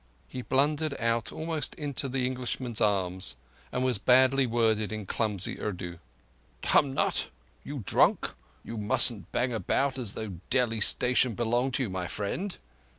He blundered out almost into the Englishman's arms, and was bad worded in clumsy Urdu. "Tum mut? You drunk? You mustn't bang about as though Delhi station belonged to you, my friend."